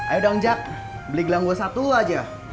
ayo dong jack beli gelang gua satu aja